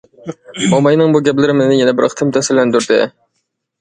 موماينىڭ بۇ گەپلىرى مېنى يەنە بىر قېتىم تەسىرلەندۈردى.